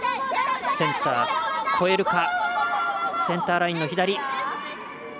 センターラインの左。